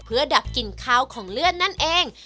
เพื่อดับกลิ่นข้าวของเลือดนั่นเอง